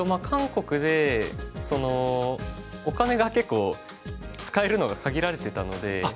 韓国でお金が結構使えるのが限られてたので。